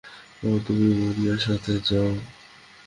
Brown, তুমি মারিয়ার সাথে যাও।